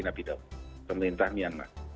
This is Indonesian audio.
nabi daul pemerintah myanmar